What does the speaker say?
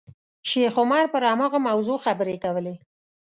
شیخ عمر پر هماغه موضوع خبرې کولې.